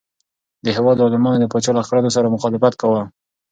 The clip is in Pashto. د هیواد عالمانو د پاچا له کړنو سره مخالفت کاوه.